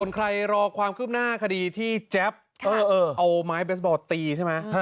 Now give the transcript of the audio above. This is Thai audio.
ใครรอความคืบหน้าคดีที่แจ๊บเอาไม้เบสบอลตีใช่ไหม